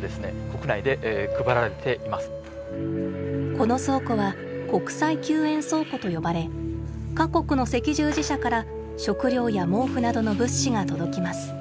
この倉庫は「国際救援倉庫」と呼ばれ各国の赤十字社から食料や毛布などの物資が届きます。